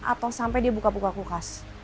atau sampai dia buka buka kulkas